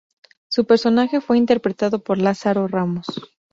Su personaje fue interpretado por Lázaro Ramos.